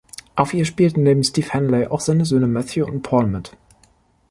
Auf ihr spielten neben Steve Hanley auch seine Söhne Matthew und Paul mit.